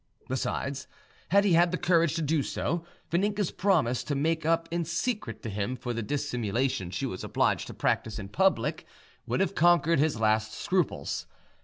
Besides, had he had the courage to do so; Vaninka's promise to make up in secret to him for the dissimulation she was obliged to practise in public would have conquered his last scruples.